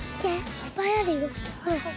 いっぱいあるよ。